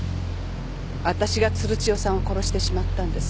私が鶴千代さんを殺してしまったんです。